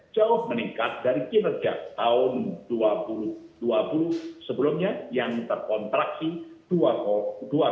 jauh meningkat dari kinerja tahun dua ribu dua puluh sebelumnya yang terkontraksi dua dua